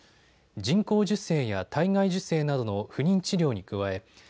人工授精や体外受精などの不妊治療に加え